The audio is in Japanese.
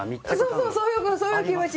そうそうそういうことそういう気持ち。